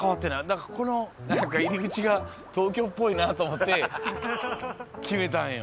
何かこの入り口が東京っぽいなあと思って決めたんよ